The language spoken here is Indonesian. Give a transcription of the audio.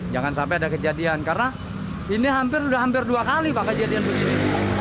jangan sampai ada kejadian karena ini hampir sudah hampir dua kali pak kejadian begini